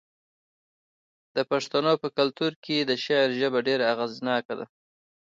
د پښتنو په کلتور کې د شعر ژبه ډیره اغیزناکه ده.